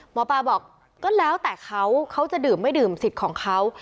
หมอปลาบอกก็แล้วแต่เขาเขาจะดื่มไม่ดื่มสิทธิ์ของเขา